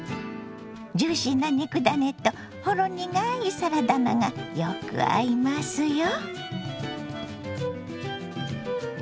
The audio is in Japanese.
ジューシーな肉ダネとほろ苦いサラダ菜がよく合いますよ。